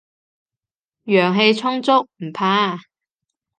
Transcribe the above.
陽氣充足，唔怕